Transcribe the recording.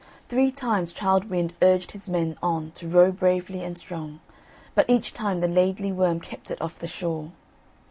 Three times Childe Wynd urged his men on to row bravely and strong, but each time the Laidly Worm kept it off the shore.